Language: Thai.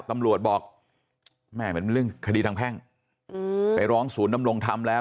ตำรวจบอกแม่มันเป็นเรื่องคดีทางแพ่งไปร้องศูนย์ดำรงธรรมแล้ว